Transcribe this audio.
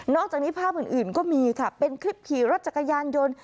จากนี้ภาพอื่นก็มีค่ะเป็นคลิปขี่รถจักรยานยนต์